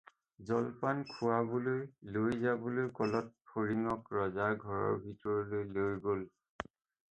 জলপান খুৱাবলৈ লৈ যাবলৈ ক'লত ফৰিঙক ৰজাৰ ঘৰৰ ভিতৰলৈ লৈ গ'ল।